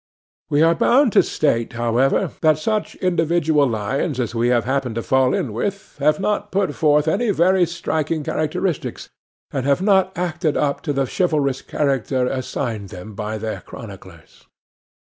We are bound to state, however, that such individual lions as we have happened to fall in with have not put forth any very striking characteristics, and have not acted up to the chivalrous character assigned them by their chroniclers.